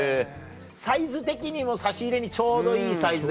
サイズ的にも差し入れにちょうどいいサイズですよね。